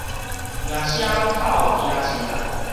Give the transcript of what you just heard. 名聲透京城